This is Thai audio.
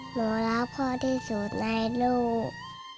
หนูรักพ่อที่สุดในลูก